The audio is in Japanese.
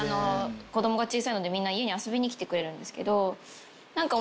子供が小さいのでみんな家に遊びに来てくれるんですけど何か。